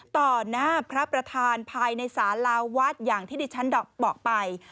ต่อหน้าพระประธานภายในสาราวัดอย่างที่ดิฉันบอกไป